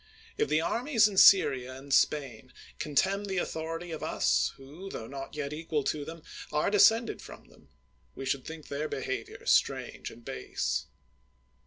If the armies in Syria and Spain contemn the authority of us, who, tho not yet equal to them, are descended from them, we should think their behavior strange and base.